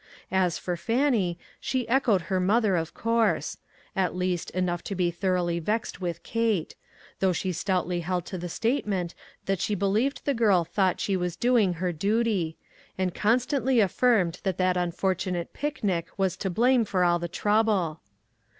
As for Fannie, she echoed her mother, of course ; at least, enough to be thoroughly vexed with Kate ; though she stoutly held to the statement that she believed the girl thought she was doing her duty ; and constantly af firmed that that unfortunate picnic was to blame for all the trouble.